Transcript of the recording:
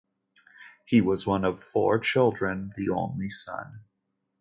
He was one of four children, the only son.